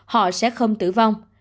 họ sẽ không tử vong